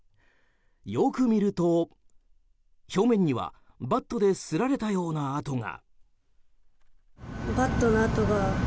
よく見ると、表面にはバットですられたような跡が。